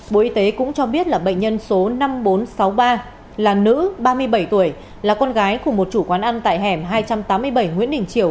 bộ y tế cũng cho biết là bệnh nhân số năm nghìn bốn trăm sáu mươi ba là nữ ba mươi bảy tuổi là con gái của một chủ quán ăn tại hẻm hai trăm tám mươi bảy nguyễn đình triều